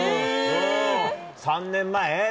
３年前？